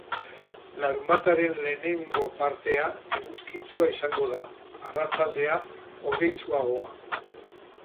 Larunbataren lehenengo partea eguzkitsua izango da, arratsaldea hodeitsuagoa.